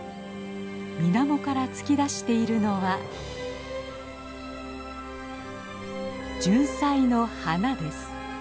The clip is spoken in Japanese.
水面から突き出しているのはジュンサイの花です。